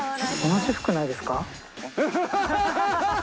同じ服ないですか？